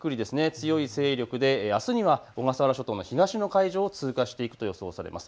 強い勢力であすには小笠原諸島の東の海上を通過していくと思います。